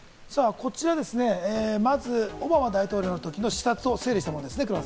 こちら、まずオバマ大統領の時の視察を整理したものですね。